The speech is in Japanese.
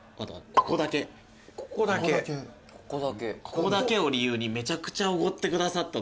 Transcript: ここだけを理由にめちゃくちゃおごってくださった。